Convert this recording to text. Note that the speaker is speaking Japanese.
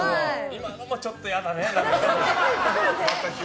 今のもちょっと嫌だね。